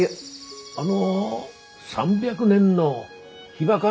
あの３００年のヒバが？